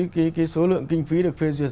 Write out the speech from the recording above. cái số lượng kinh phí được phê duyệt